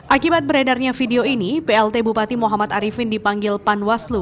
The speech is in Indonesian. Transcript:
akibat beredarnya video ini plt bupati muhammad arifin dipanggil panwaslu